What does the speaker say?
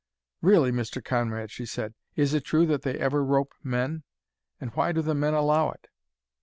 "Really, Mr. Conrad," she said, "is it true that they ever rope men? And why do the men allow it?"